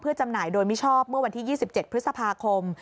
จำหน่ายโดยมิชอบเมื่อวันที่๒๗พฤษภาคม